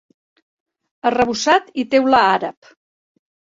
Arrebossat i teula àrab.